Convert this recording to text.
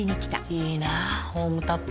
いいなホームタップ。